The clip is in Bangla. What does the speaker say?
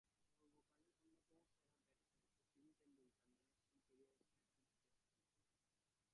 সর্বকালের অন্যতম সেরা ব্যাটসম্যান শচীন টেন্ডুলকার নেমেছেন ক্যারিয়ারের শেষ দুটি টেস্ট খেলতে।